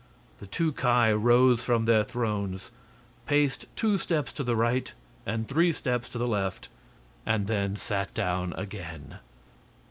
The two Ki rose from their thrones, paced two steps to the right and three steps to the left, and then sat down again.